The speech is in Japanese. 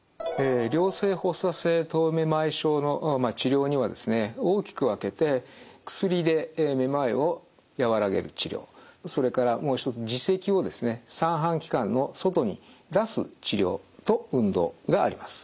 良性発作性頭位めまい症の治療にはですね大きく分けて薬でめまいを和らげる治療それからもう一つ耳石をですね三半規管の外に出す治療と運動があります。